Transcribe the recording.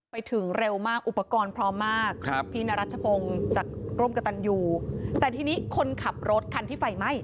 ไปถึงเร็วมากอุปกรณ์พร้อมมากครับพี่นรัชพงศ์จะร่วมกับตันยูแต่ทีนี้คนขับรถคันที่ไฟไหม้